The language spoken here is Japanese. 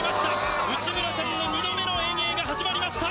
内村さんの２度目の遠泳が始まりました！